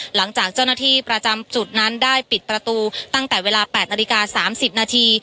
หลังจากเจ้าหน้าที่ประจำจุดนั้นได้ปิดประตูตั้งแต่เวลา๘นาฬิกา๓๐นาที